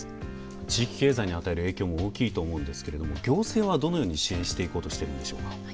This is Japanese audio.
地域経済に与える影響も大きいと思うんですけれども行政はどのように支援していこうとしているんでしょうか。